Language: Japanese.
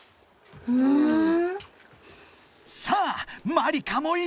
［さあまりかもいけ！］